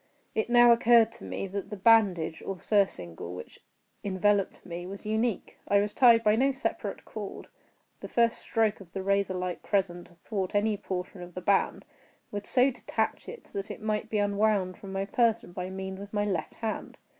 It now occurred to me that the bandage, or surcingle, which enveloped me, was unique. I was tied by no separate cord. The first stroke of the razorlike crescent athwart any portion of the band, would so detach it that it might be unwound from my person by means of my left hand.